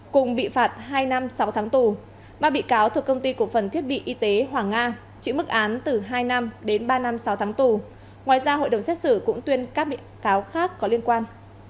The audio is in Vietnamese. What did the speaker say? cùng bị phạt hai năm sáu tháng tù ba bị cáo thuộc công ty cổ phần thiết bị y tế hoàng nga chịu mức án từ hai năm đến ba năm sáu tháng tù ngoài ra hội đồng xét xử cũng tuyên các bị cáo khác có liên quan